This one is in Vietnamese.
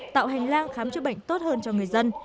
tạo hành lang khám chữa bệnh tốt hơn cho người dân